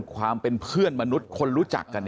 ความเป็นเพื่อนมนุษย์คนรู้จักกัน